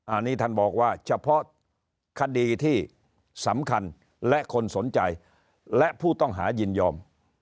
อันนี้ท่านบอกว่าเฉพาะคดีที่สำคัญและคนสนใจและผู้ต้องหายินยอม